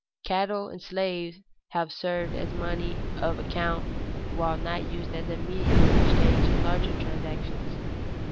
Cattle and slaves have served as money of account while not used as a medium of exchange in larger transactions.